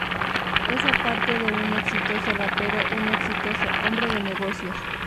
Es aparte de un exitoso rapero, un exitoso hombre de negocios.